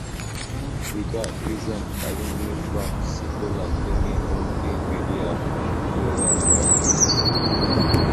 Vika is an alumni from Sekolah Tinggi Multi Media Yogyakarta.